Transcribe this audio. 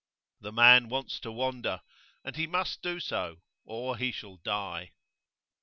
The man wants to wander, and he must do so, or he shall die.